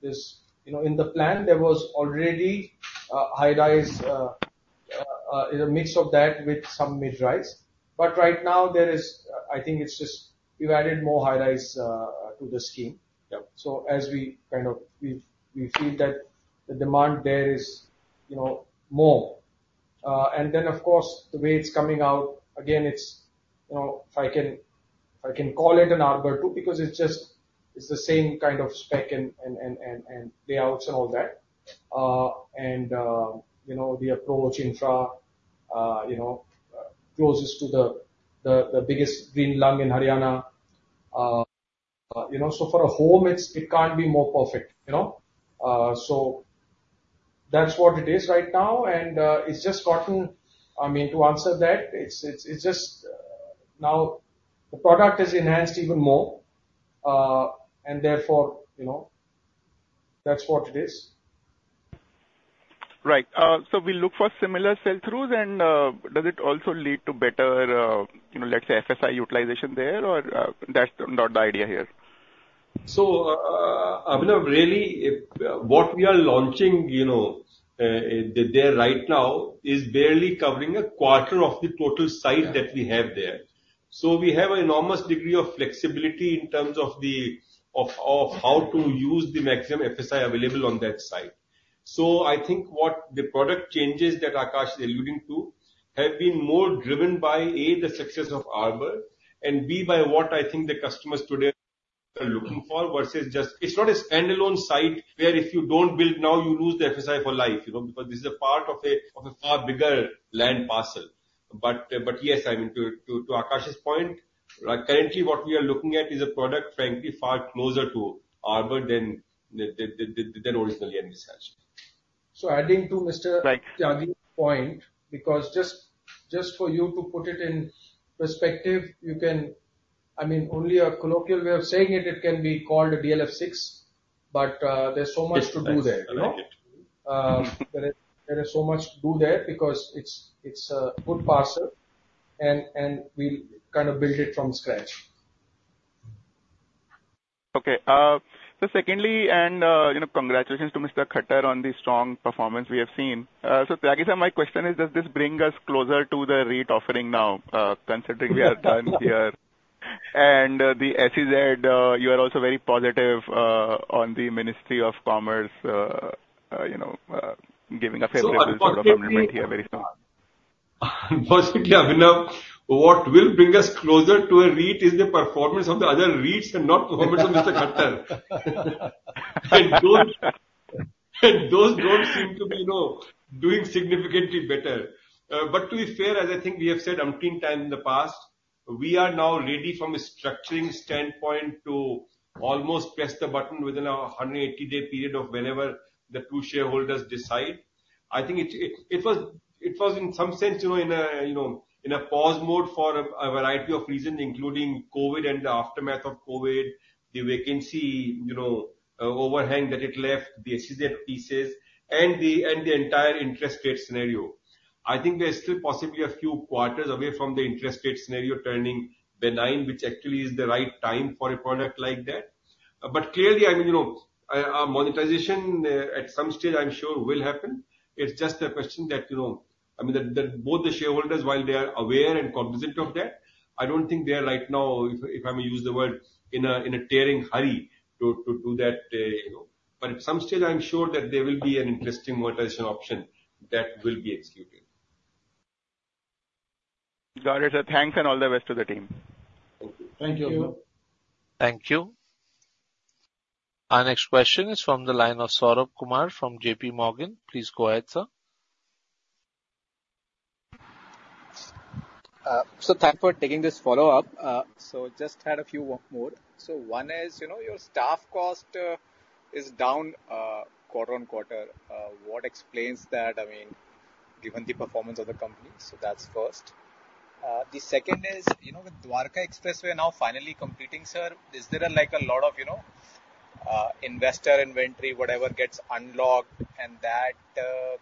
this, you know, in the plan there was already high-rise a mix of that with some mid-rise. But right now there is, I think it's just we've added more high-rise to the scheme. Yep. So we feel that the demand there is, you know, more. And then, of course, the way it's coming out, again, you know, if I can call it an Arbour 2, because it's just, it's the same kind of spec and layouts and all that. And, you know, the approach infra, you know, closest to the biggest green lung in Haryana. You know, so for a home, it's, it can't be more perfect, you know? So that's what it is right now, and it's just gotten, I mean, to answer that, it's just now the product is enhanced even more, and therefore, you know, that's what it is. Right. So we look for similar sell-throughs, and, does it also lead to better, you know, let's say, FSI utilization there, or, that's not the idea here? So, Abhinav, really, if what we are launching, you know, there right now is barely covering a quarter of the total site that we have there. So we have an enormous degree of flexibility in terms of how to use the maximum FSI available on that site. So I think what the product changes that Aakash is alluding to have been more driven by, A, the success of Arbour, and, B, by what I think the customers today are looking for versus just, it's not a standalone site, where if you don't build now, you lose the FSI for life, you know, because this is a part of a far bigger land parcel. Yes, I mean, to Aakash's point, currently, what we are looking at is a product frankly far closer to Arbour than originally envisaged. So adding to Mr. Tyagi's point, because just, just for you to put it in perspective, you can, I mean, only a colloquial way of saying it, it can be called a DLF 6, but, there's so much to do there, you know? Yes, I like it. There is so much to do there because it's a good parcel and we'll kind of build it from scratch. Okay, so secondly, you know, congratulations to Mr. Khattar on the strong performance we have seen. So Tyagi, sir, my question is, does this bring us closer to the REIT offering now, considering we are done here? And the SEZ, you are also very positive on the Ministry of Commerce, you know, giving a favorable judgment here very soon. Abhinav, what will bring us closer to a REIT is the performance of the other REITs and not the performance of Mr. Khattar. And those, and those don't seem to be, you know, doing significantly better. But to be fair, as I think we have said umpteen times in the past, we are now ready from a structuring standpoint to almost press the button within a 180-day period of whenever the two shareholders decide. I think it was, it was in some sense, you know, in a pause mode for a variety of reasons, including COVID and the aftermath of COVID, the vacancy, you know, overhang that it left, the SEZ pieces and the, and the entire interest rate scenario. I think we are still possibly a few quarters away from the interest rate scenario turning benign, which actually is the right time for a product like that. But clearly, I mean, you know, monetization at some stage, I'm sure will happen. It's just a question that, you know, I mean, that both the shareholders, while they are aware and cognizant of that, I don't think they are like, now, if I may use the word, in a tearing hurry to do that, you know. But at some stage, I'm sure that there will be an interesting monetization option that will be executed. Got it, sir. Thanks and all the best to the team. Thank you. Thank you. Thank you. Our next question is from the line of Saurabh Kumar from JPMorgan. Please go ahead, sir. So thanks for taking this follow-up. So just had a few more. So one is, you know, your staff cost is down quarter on quarter. What explains that, I mean, given the performance of the company? So that's first. The second is, you know, with Dwarka Expressway now finally completing, sir, is there, like, a lot of, you know, investor inventory, whatever gets unlocked and that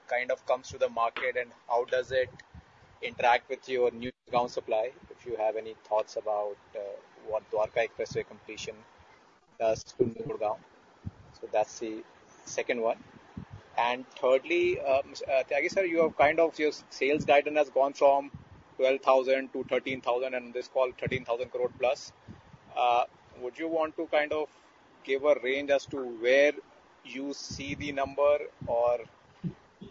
kind of comes to the market, and how does it interact with your new ground supply? If you have any thoughts about what Dwarka Expressway completion does to Gurgaon. So that's the second one. And thirdly, Tyagi, sir, you have kind of your sales guidance has gone from 12,000 crore to 13,000 crore, and this call, 13,000 crore plus. Would you want to kind of give a range as to where you see the number, or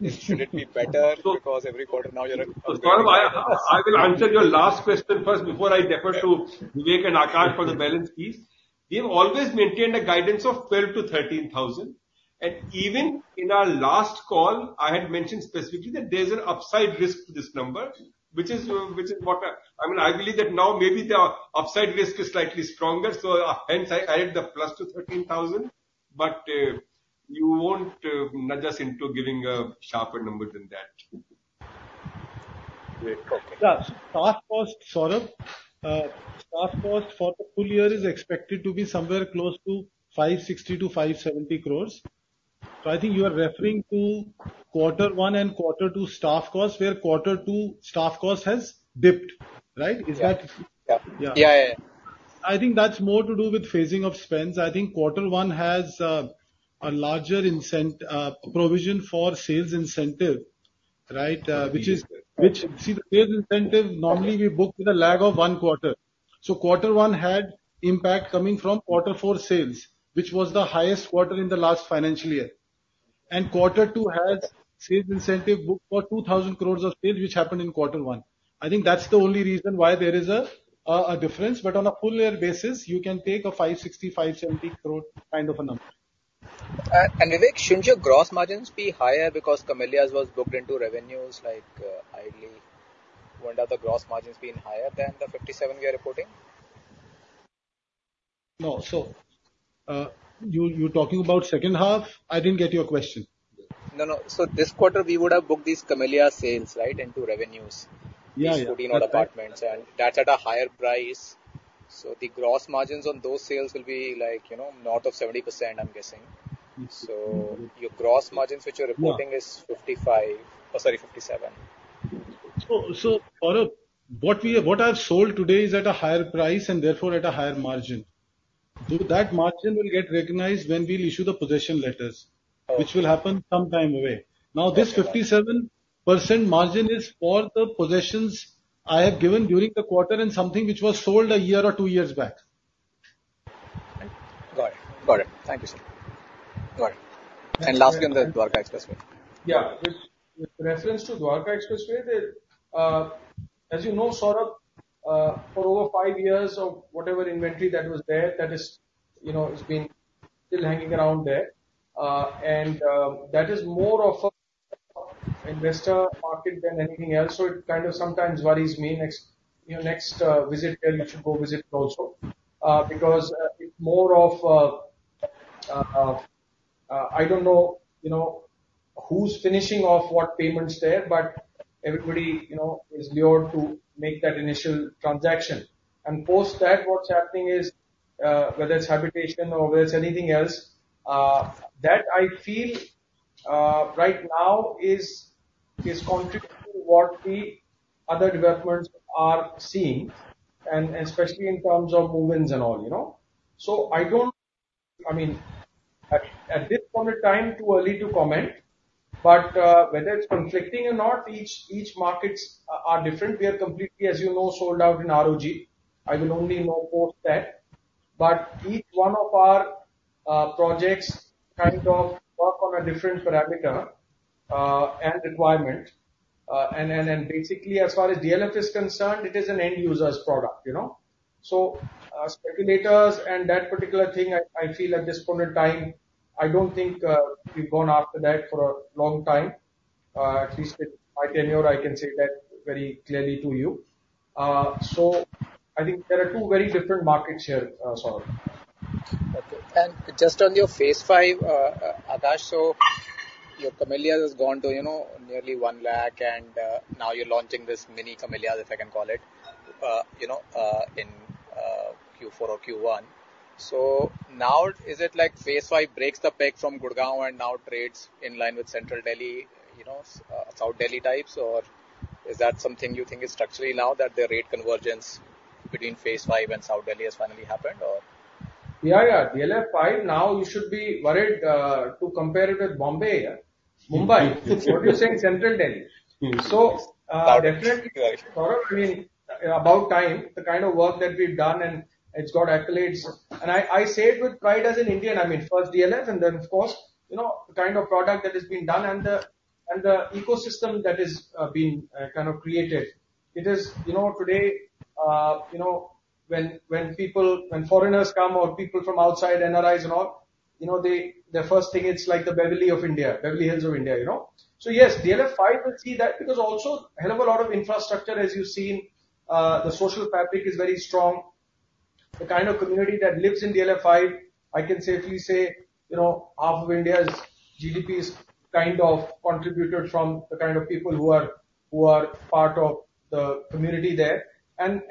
should it be better? Because every quarter now you're- So Saurabh, I will answer your last question first, before I defer to Vivek and Aakash for the balance piece. We have always maintained a guidance of 12,000-13,000, and even in our last call, I had mentioned specifically that there's an upside risk to this number, which is what I mean, I believe that now maybe the upside risk is slightly stronger, so hence I add the plus to 13,000, but you won't nudge us into giving a sharper number than that. Great. Okay. Yeah. Staff cost, Saurabh, staff cost for the full year is expected to be somewhere close to 560 crore-570 crore. So I think you are referring to Q1 and Q2 staff costs, where Q2 staff cost has dipped, right? Is that- Yeah. Yeah. Yeah, yeah. I think that's more to do with phasing of spends. I think Q1 has a larger incentive provision for sales incentive, right? Which, see, the sales incentive, normally we book with a lag of one quarter. So Q1 had impact coming from Q4 sales, which was the highest quarter in the last financial year. And Q2 has sales incentive booked for 2,000 crore of sales, which happened in Q1. I think that's the only reason why there is a, a difference. But on a full year basis, you can take a 560-570 crore kind of a number. Vivek, shouldn't your gross margins be higher because Camellias was booked into revenues, like, highly? Wouldn't have the gross margins been higher than the 57% you're reporting? No. So, you, you're talking about second half? I didn't get your question. No, no. So this quarter, we would have booked these Camellias sales, right, into revenues. Yeah. 49 apartments, and that's at a higher price. So the gross margins on those sales will be like, you know, north of 70%, I'm guessing. So your gross margins, which you're reporting is 55, or sorry, 57. Saurabh, what we have, what I've sold today is at a higher price and therefore at a higher margin. That margin will get recognized when we'll issue the possession letters which will happen some time away. Now, this 57% margin is for the possessions I have given during the quarter and something which was sold one year or two years back. Got it. Got it. Thank you, sir. Got it. Thanks. Lastly, on the Dwarka Expressway. Yeah. With reference to Dwarka Expressway, as you know, Saurabh, for over five years of whatever inventory that was there, that is, you know, it's been still hanging around there. And that is more of a investor market than anything else, so it kind of sometimes worries me. Next, you know, visit there, you should go visit also. Because it's more of, I don't know, you know, who's finishing off what payment's there, but everybody you know is lured to make that initial transaction. Post that, what's happening is, whether it's habitation or whether it's anything else, that I feel right now is contrary to what the other developments are seeing, and especially in terms of movements and all, you know? I mean, at this point in time, too early to comment, but whether it's conflicting or not, each markets are different. We are completely, as you know, sold out in ROG. I will only know post that. But each one of our projects kind of work on a different parameter and requirement. And basically, as far as DLF is concerned, it is an end user's product, you know? So speculators and that particular thing, I feel at this point in time, I don't think we've gone after that for a long time. At least with my tenure, I can say that very clearly to you. So I think there are two very different markets here, Saurabh. Okay. And just on your phase V, Aakash, so your Camellias has gone to, you know, nearly 1 lakh, and now you're launching this mini Camellias, if I can call it, you know, in Q4 or Q1. So now is it like phase V breaks the bank from Gurugram and now trades in line with Central Delhi, you know, South Delhi types, or? Is that something you think is structurally now that the rate convergence between phase V and South Delhi has finally happened, or? Yeah. DLF 5, now you should be worried to compare it with Bombay, yeah, Mumbai. What you say, Central Delhi. So, definitely, Saurabh, I mean, about time, the kind of work that we've done, and it's got accolades. And I say it with pride as an Indian, I mean, first DLF, and then, of course, you know, the kind of product that has been done and the, and the ecosystem that has been kind of created. It is, you know, today, you know, when, when people, when foreigners come or people from outside NRIs and all, you know, they- the first thing, it's like the Beverly of India, Beverly Hills of India, you know? So yes, DLF 5 will see that, because also a hell of a lot of infrastructure, as you've seen, the social fabric is very strong. The kind of community that lives in DLF 5, I can safely say, you know, half of India's GDP is kind of contributed from the kind of people who are part of the community there. And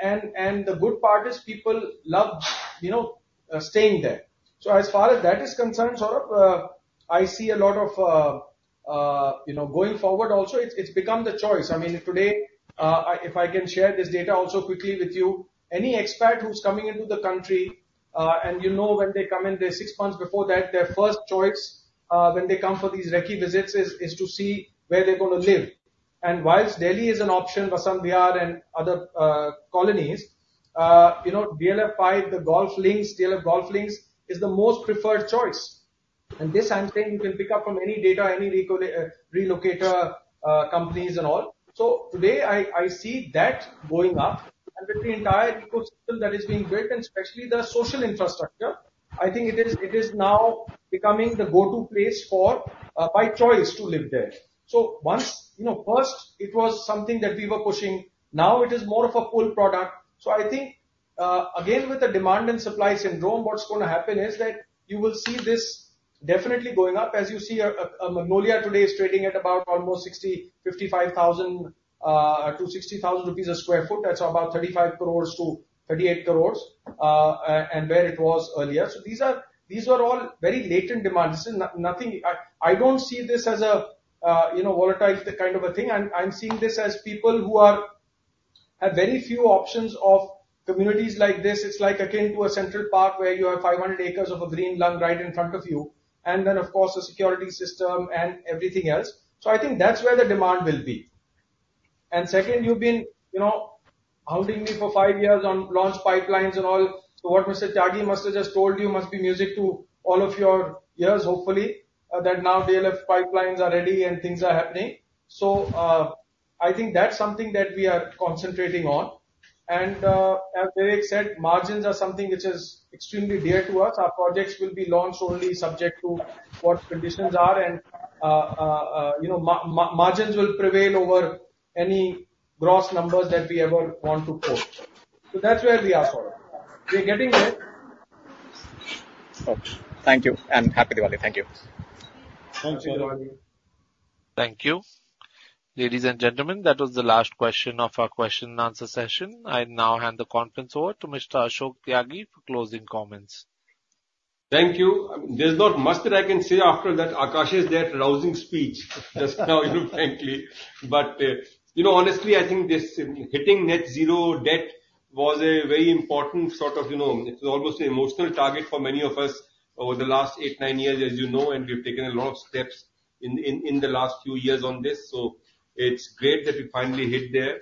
the good part is people love, you know, staying there. So as far as that is concerned, Saurav, I see a lot of, you know, going forward also, it's become the choice. I mean, today, if I can share this data also quickly with you, any expat who's coming into the country, and you know when they come in, the six months before that, their first choice, when they come for these recce visits is to see where they're gonna live. While Delhi is an option, Vasant Vihar and other colonies, you know, DLF 5, the golf links, DLF Golf Links, is the most preferred choice. This, I'm saying, you can pick up from any data, any relocator companies and all. So today, I see that going up and with the entire ecosystem that is being built, and especially the social infrastructure, I think it is now becoming the go-to place for by choice to live there. So once, you know, first it was something that we were pushing, now it is more of a pull product. So I think, again, with the demand and supply syndrome, what's going to happen is that you will see this definitely going up. As you see, Magnolias today is trading at about almost 55,000 to 60,000 rupees a sq ft. That's about 35 crore-38 crore and where it was earlier. So these are, these are all very latent demands. This is nothing, I don't see this as a, you know, volatile kind of a thing. I'm seeing this as people who are have very few options of communities like this. It's like akin to a central park, where you have 500 acres of a green lung right in front of you, and then, of course, a security system and everything else. So I think that's where the demand will be. And second, you've been, you know, hounding me for five years on launch pipelines and all. So what Mr. Tyagi must have just told you must be music to all of your ears, hopefully, that now DLF pipelines are ready and things are happening. So, I think that's something that we are concentrating on. And, as Vivek said, margins are something which is extremely dear to us. Our projects will be launched only subject to what conditions are, and, you know, margins will prevail over any gross numbers that we ever want to quote. So that's where we are, Saurav. We're getting there. Okay. Thank you, and Happy Diwali! Thank you. Happy Diwali. Thank you. Ladies and gentlemen, that was the last question of our question and answer session. I now hand the conference over to Mr. Ashok Tyagi for closing comments. Thank you. There's not much that I can say after that, Aakash's rousing speech just now, you know, frankly. But you know, honestly, I think this hitting net zero debt was a very important sort of, you know, it was almost an emotional target for many of us over the last eight, nine years, as you know, and we've taken a lot of steps in the last few years on this. So it's great that we finally hit there.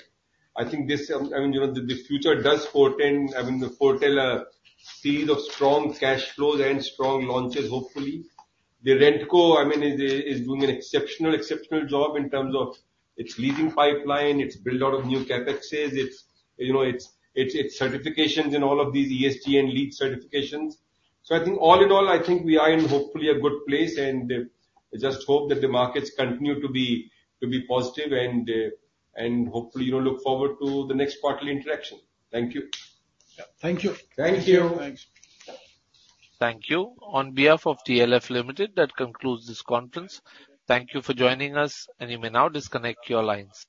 I think this, I mean, you know, the future does portend, I mean, foretell a series of strong cash flows and strong launches, hopefully. The RentCo, I mean, is doing an exceptional, exceptional job in terms of its leading pipeline. It's built a lot of new CapExes. It's certifications in all of these ESG and LEED certifications. So I think all in all, I think we are in hopefully a good place, and, I just hope that the markets continue to be, to be positive and, and hopefully, you know, look forward to the next quarterly interaction. Thank you. Yeah, thank you. Thank you. Thanks. Thank you. On behalf of DLF Limited, that concludes this conference. Thank you for joining us, and you may now disconnect your lines.